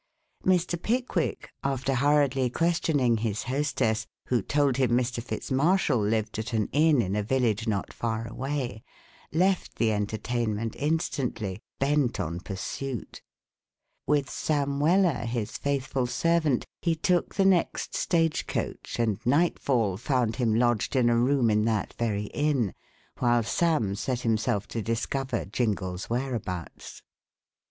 Mr. Pickwick, after hurriedly questioning his hostess, who told him Mr. Fitz Marshall lived at an inn in a village not far away, left the entertainment instantly, bent on pursuit. With Sam Weller, his faithful servant, he took the next stage coach and nightfall found him lodged in a room in that very inn, while Sam set himself to discover Jingle's whereabouts.